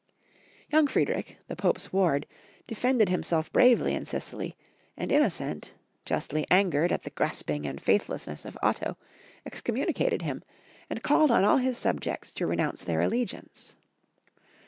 Young Friedrich, the Pope's ward, defended him self bravely in Sicily, and Innocent, justly angered at the grasping and faithlessness of Otto, excom municated him, and called on all his subjects to re nounce their allegiance.